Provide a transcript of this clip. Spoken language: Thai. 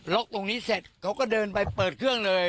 ตรงนี้เสร็จเขาก็เดินไปเปิดเครื่องเลย